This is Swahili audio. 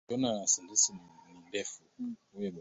makosa mengi ya jinai dhidi ya haki za kibinadamu yalifanyika